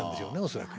恐らく。